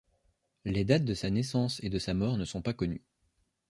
Les dates de sa naissance et de sa mort ne sont pas connues.